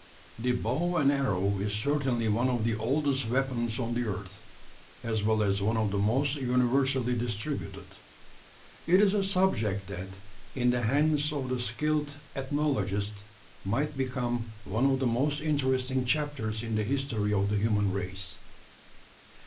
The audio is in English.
The bow and arrow is certainly one of the oldest weapons on the earth as well as one of the most universally distributed. It is a subject that, in the hands of the skilled ethnologist, might become one of the most interesting chapters in the history of the human race.